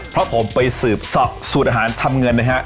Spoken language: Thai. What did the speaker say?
เพราะผมไปสืบสอบสูตรอาหารทำเงินนะฮะ